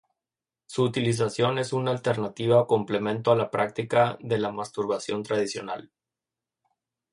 Su utilización es una alternativa o complemento a la práctica de la masturbación tradicional.